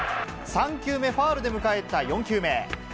３球目、ファウルで迎えた４球目。